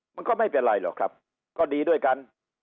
มันก็ไม่เป็นไรหรอกครับก็ดีด้วยกัน